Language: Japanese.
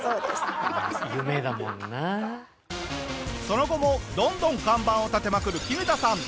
その後もどんどん看板を立てまくるキヌタさん。